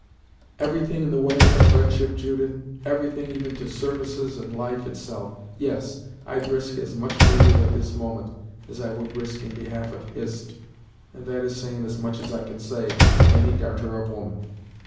"Everything in the way of fri'ndship, Judith everything, even to sarvices and life itself. Yes, I'd risk as much for you, at this moment, as I would risk in behalf of Hist, and that is sayin' as much as I can say of any darter of woman.